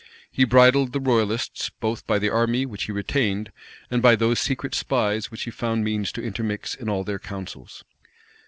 He bridled the royalists, both by the army which he retained, and by those secret spies which he found means to intermix in all their counsels.